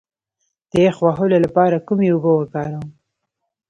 د یخ وهلو لپاره کومې اوبه وکاروم؟